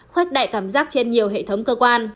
khoách đại cảm giác trên nhiều hệ thống cơ quan